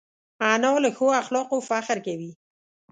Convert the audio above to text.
انا له ښو اخلاقو فخر کوي